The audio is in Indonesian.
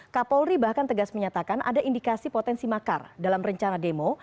kapolri bahkan tegas menyatakan ada indikasi potensi makar dalam rencana demo